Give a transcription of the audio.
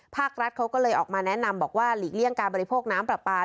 ภาครัฐเขาก็เลยออกมาแนะนำบอกว่าหลีกเลี่ยงการบริโภคน้ำปลาปลา